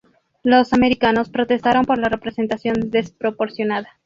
Los americanos protestaron por la representación desproporcionada.